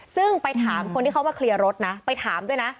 ซึ่งไปถามคนที่เขามาเคลียร์รถนะไปถามด้วยนะ